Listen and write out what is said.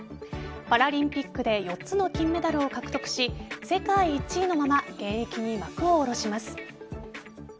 パラリンピックで４つの金メダルを獲得し世界１位のまま現役に幕を下ろします。